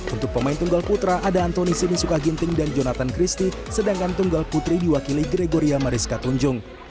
untuk pemain tunggal putra ada antoni sinisuka ginting dan jonathan christie sedangkan tunggal putri diwakili gregoria mariska tunjung